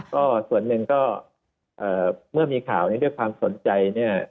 ก็ส่วนหนึ่งก็เมื่อมีข่าวนี้ด้วยความสนใจเนี่ย